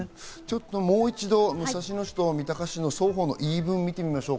もう一度、武蔵野市と三鷹市の相互の言い分を見ましょう。